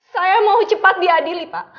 saya mau cepat diadili pak